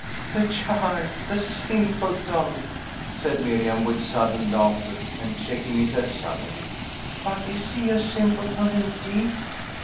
"The child! the simpleton!" said Miriam, with sudden laughter, and checking it as suddenly. "But is he a simpleton indeed?